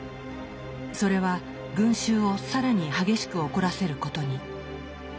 それは群衆を更に激しく怒らせることに。